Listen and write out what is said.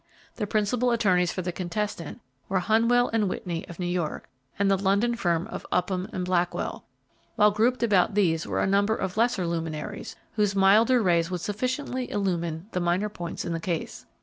The principal attorneys for the contestant were Hunnewell & Whitney of New York, and the London firm of Upham & Blackwell, while grouped about these were a number of lesser luminaries, whose milder rays would sufficiently illumine the minor points in the case.